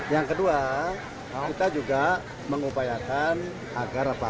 yang kedua kita juga mengupayakan agar apa